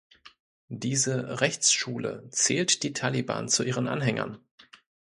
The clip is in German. Diese Rechtsschule zählt die Taliban zu ihren Anhängern.